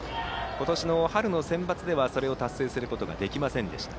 今年の春のセンバツではそれを達成することができませんでした。